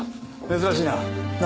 珍しいな。